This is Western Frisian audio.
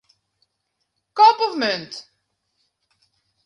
Kop of munt.